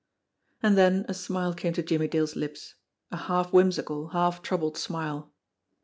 And then a smile came to Jimmie Dale's lips, a half whim sical, half troubled smile.